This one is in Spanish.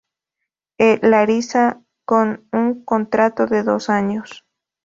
E. Larisa, con un contrato de dos años.